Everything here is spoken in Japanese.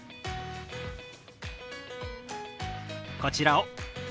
こちらを。